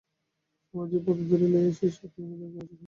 স্বামীজীর পদধূলি লইয়া শিষ্য কলিকাতাভিমুখে অগ্রসর হইল।